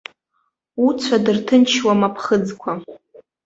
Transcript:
Уцәа дырҭынчуам аԥхыӡқәа.